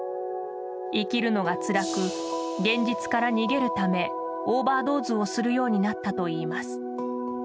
生きるのがつらく現実から逃げるためオーバードーズをするようになったといいます。